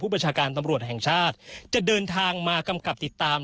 ประชาการตำรวจแห่งชาติจะเดินทางมากำกับติดตาม